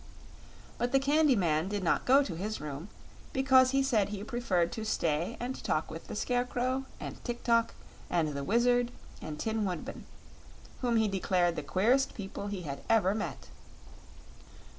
But the Candy Man did not go to his room, because he said he preferred to stay and talk with the Scarecrow and Tik tok and the Wizard and Tin Woodman, whom he declared the queerest people he had ever met.